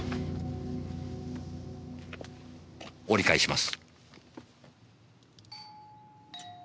折り返します。